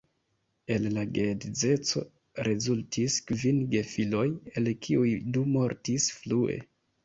El la geedzeco rezultis kvin gefiloj, el kiuj du mortis frue.